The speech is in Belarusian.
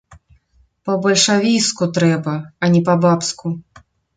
Па-бальшавіцку трэба, а не па-бабску.